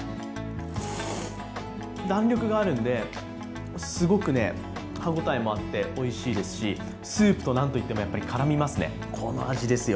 弾力があるんで、すごく歯ごたえもあって、おいしいですし、スープと何といっても絡みますね、この味ですよ。